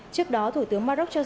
trước đó thủ tướng maroc cho rằng